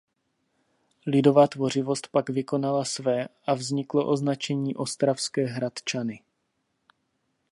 Lidová tvořivost pak vykonala své a vzniklo označení Ostravské Hradčany.